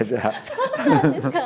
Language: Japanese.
そうなんですか。